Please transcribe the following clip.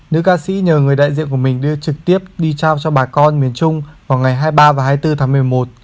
nữ ca sĩ nhờ người đại diện của mình đưa trực tiếp đi trao cho bà con miền trung vào ngày hai mươi ba và hai mươi bốn tháng một mươi một